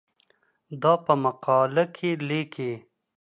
دا په مقاله کې لیکې.